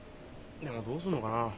でもどうすんのかなあ？